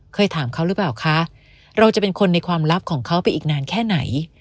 เคยถามเขาหรือเปล่าคะเราจะเป็นคนในความลับของเขาไปอีกนานแค่ไหน